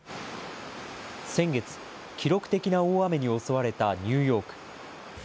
先月、記録的な大雨に襲われたニューヨーク。